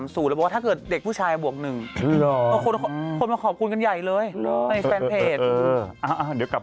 แล้วบอกว่าถ้าเกิดเด็กผู้ชายบวก๑คนมาขอบคุณกันใหญ่เลยในแฟนเพจ